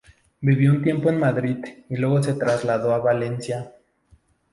Vivió un tiempo en Madrid y luego se trasladó a Valencia.